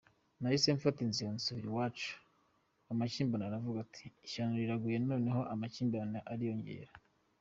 Nahise mfata inzira nsubira iwacu, Mama akimbona aravuga ati ‘Ishyano riraguye, noneho amakimbirane ariyongera.